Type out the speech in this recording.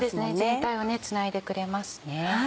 全体をつないでくれますね。